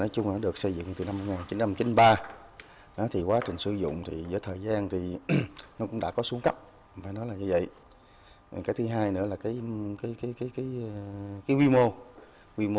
trước mắt để giải quyết vấn đề quá tải